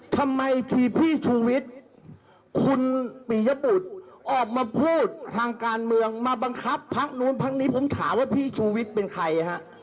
ทำไมทีพี่ชูวิทย์คุณปียบุตรออกมาพูดทางการเมืองมาบังคับพักนู้นพักนี้ผมถามว่าพี่ชูวิทย์เป็นใครฮะ